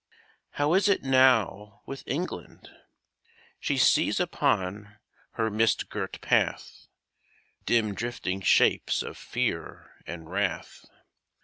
How is it now with England? She sees upon her mist girt path Dim drifting shapes of fear and wrath.